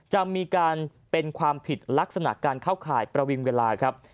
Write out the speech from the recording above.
จะมีการเป็นความผิดลักษณะการเข้าข่ายประวิงเวลาครับ